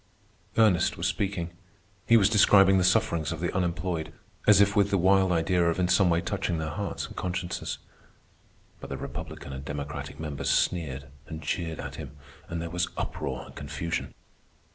Ernest was speaking. He was describing the sufferings of the unemployed, as if with the wild idea of in some way touching their hearts and consciences; but the Republican and Democratic members sneered and jeered at him, and there was uproar and confusion.